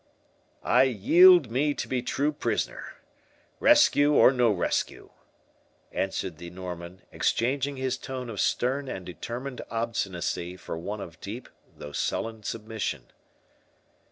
"I yield me to be true prisoner, rescue or no rescue," answered the Norman, exchanging his tone of stern and determined obstinacy for one of deep though sullen submission.